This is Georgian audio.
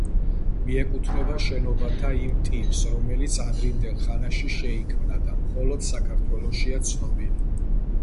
მიეკუთვნება შენობათა იმ ტიპს, რომელიც ადრინდელ ხანაში შეიქმნა და მხოლოდ საქართველოშია ცნობილი.